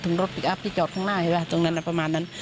ถึงรถอีกพี่จอดข้างหน้าเห็นไหมตรงนั้นน่ะประมาณนั้น